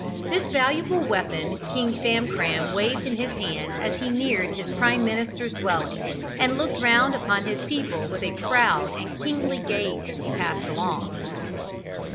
This valuable weapon King Famcram waved in his hand as he neared his prime minister's dwelling, and looked round upon his people with a proud and kingly gaze as he passed along.